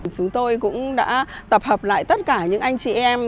chúng tôi cũng đã tập hợp lại tất cả những anh chị em